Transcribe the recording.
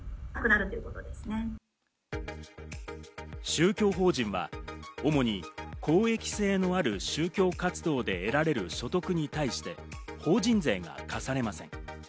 宗教法人は主に公益性のある宗教活動で得られる所得に対して法人税が課されません。